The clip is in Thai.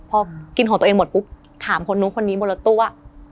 พอกินของตัวเองหมดปุ๊บถามคนนู้นคนนี้บนรถตู้ว่า